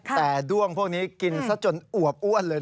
แต่ด้วงพวกนี้กินซะจนอวบอ้วนเลย